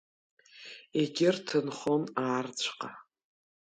Егьырҭ нхон аарцәҟа.